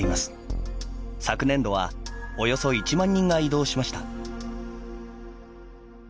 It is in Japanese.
昨年度は、およそ１万人が移動しました。